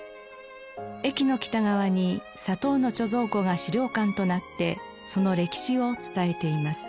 駅の北側に砂糖の貯蔵庫が資料館となってその歴史を伝えています。